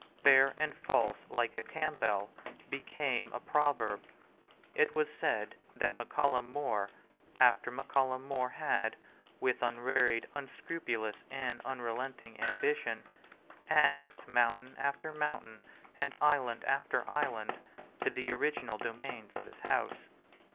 "Fair and false like a Campbell" became a proverb. It was said that Mac Callum More after Mac Callum More had, with unwearied, unscrupulous, and unrelenting ambition, annexed mountain after mountain and island after island to the original domains of his House.